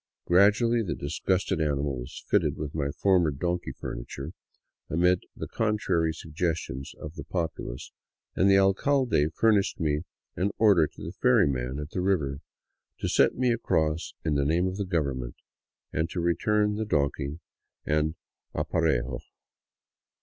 Gradually the disgusted animal was fitted with my former donkey furniture, amid the contrary suggestions of the pop ulace, and the alcalde furnished me an order to the ferrymen at the river to set me across in the name of the government — and to return donkey and aparejo.